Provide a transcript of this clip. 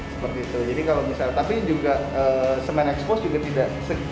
seperti itu jadi kalau misalnya tapi juga semen expose juga tidak